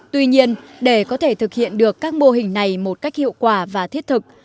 tuy nhiên để có thể thực hiện được các mô hình này một cách hiệu quả và thiết thực